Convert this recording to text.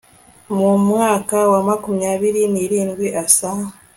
mu mwaka wa makumyabiri n irindwi asa